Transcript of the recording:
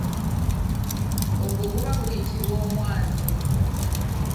Ogwo guba guyitibwa omwazi.